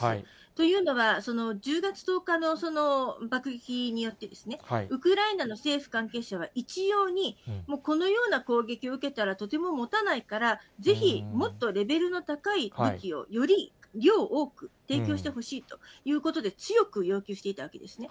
というのは、１０月１０日の爆撃によって、ウクライナの政府関係者は、一様にこのような攻撃を受けたらとてももたないから、ぜひ、もっとレベルの高い武器をより量を多く提供してほしいということで、強く要求していたわけですね。